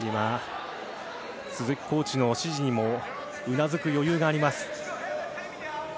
鈴木コーチの指示にもうなずく余裕があります。